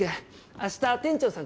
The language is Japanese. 明日店長さん